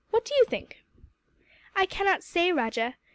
What do you think?" "I cannot say, Rajah.